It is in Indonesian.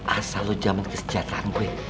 asal lu zaman kesejahteraan gue